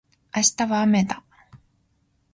明日はあめだ